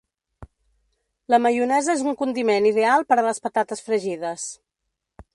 La maionesa és un condiment ideal per a les patates fregides.